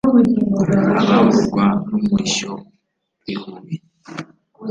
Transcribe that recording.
abamburwa n’umurishyo w’ibihubi